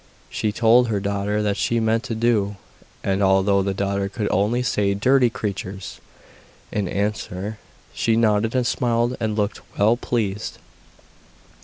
She told her daughter what she meant to do, and although the daughter could only say 'dirty creatures,' in answer, she nodded and smiled and looked well pleased.